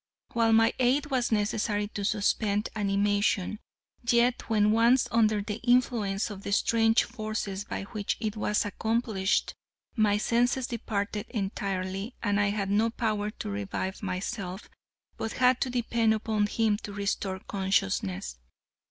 While my aid was necessary to suspend animation, yet when once under the influence of the strange forces by which it was accomplished, my senses departed entirely, and I had no power to revive myself, but had to depend upon him to restore consciousness.